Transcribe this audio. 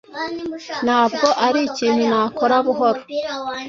Ntabwo ari ikintu nakora buhoro